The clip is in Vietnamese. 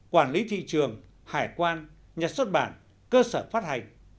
quản lý thị trường hải quan nhà xuất bản cơ sở phát hành